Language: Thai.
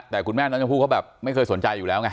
แต่คุณแม่น้องชมพู่เขาแบบไม่เคยสนใจอยู่แล้วไง